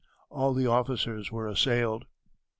All the officers were assailed."